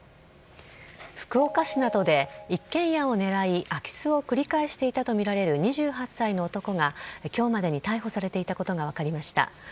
福岡市などで、一軒家をねらい、空き巣を繰り返していたと見られる２８歳の男が、きょうまでに逮捕されていたことが分かりました。